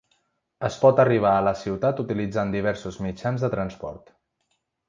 Es pot arribar a la ciutat utilitzant diversos mitjans de transport.